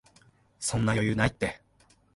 そんな余裕ないって